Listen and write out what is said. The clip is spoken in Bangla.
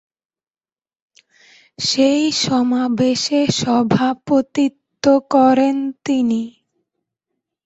সেই সমাবেশে সভাপতিত্ব করেন তিনি।